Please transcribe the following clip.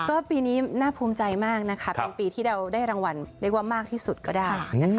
ก็ปีนี้น่าภูมิใจมากนะคะเป็นปีที่เราได้รางวัลเรียกว่ามากที่สุดก็ได้นะคะ